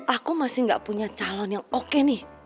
aku masih gak punya calon yang oke nih